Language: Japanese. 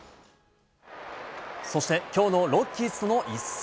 そして、きょうのロッキーズとの一戦。